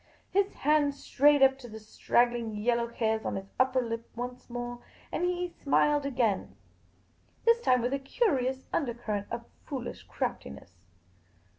His hand strayed up to the straggling yellow hairs on his upper lip once more, and he smiled again, this time with a curious undercurrent of foolish craftiness.